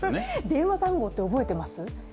電話番号って覚えてます？